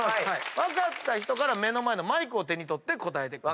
分かった人から目の前のマイクを手に取って答えてください。